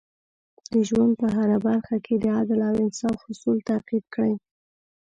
د ژوند په هره برخه کې د عدل او انصاف اصول تعقیب کړئ.